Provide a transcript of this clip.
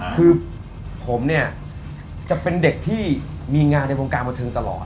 คือผมเนี่ยจะเป็นเด็กที่มีงานในวงการบันเทิงตลอด